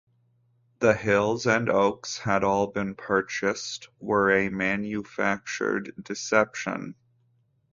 The hills and oaks had all been purchased, were a manufactured deception.